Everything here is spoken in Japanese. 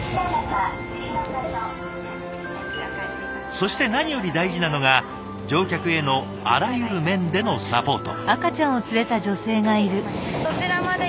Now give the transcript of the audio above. そして何より大事なのが乗客へのあらゆる面でのサポート。